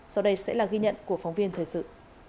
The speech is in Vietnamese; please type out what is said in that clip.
sau đây sẽ là ghi nhận của phóng viên thời sự